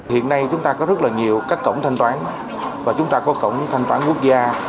hiện nay chúng ta có rất là nhiều các cổng thanh toán và chúng ta có cổng thanh toán quốc gia